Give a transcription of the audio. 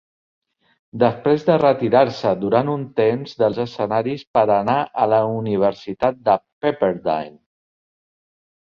Després de retirar-se durant un temps dels escenaris per a anar a la universitat de Pepperdine.